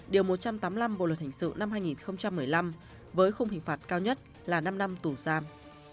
điều một trăm tám mươi năm bộ luật hình sự năm hai nghìn một mươi năm với không hình phạt cao nhất là năm năm tù giam